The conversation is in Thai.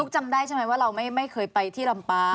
จำได้ใช่ไหมว่าเราไม่เคยไปที่ลำปา